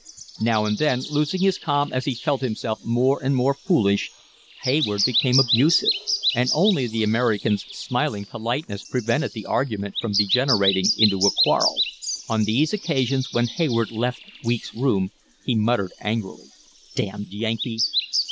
Now and then, losing his calm as he felt himself more and more foolish, Hayward became abusive, and only the American's smiling politeness prevented the argument from degenerating into a quarrel. On these occasions when Hayward left Weeks' room he muttered angrily: "Damned Yankee!"